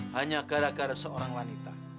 hanya gara gara seorang wanita